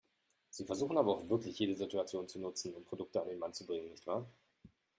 Sie versuchen aber auch wirklich jede Situation zu nutzen, um Produkte an den Mann zu bringen, nicht wahr?